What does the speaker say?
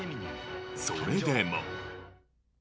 それでも。